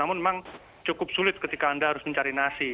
namun memang cukup sulit ketika anda harus mencari nasi